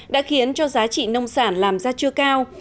đã khiến cho giá trị nông sản làm ra chưa cao